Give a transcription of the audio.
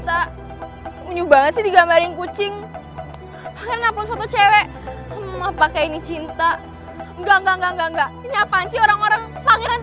aku benci banget aku benci banget